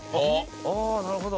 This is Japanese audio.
ああーなるほど！